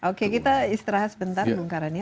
oke kita istirahat sebentar bongkarannya